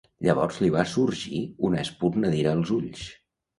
Llavors li va sorgir una espurna d'ira als ulls.